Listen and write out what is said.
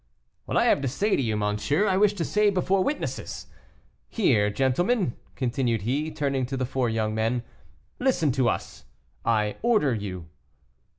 "What I have to say to you, monsieur, I wish to say before witnesses. Here, gentlemen," continued he, turning to the four young men, "listen to us; I order you."